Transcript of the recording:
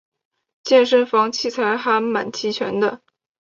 健身房器材还蛮齐全的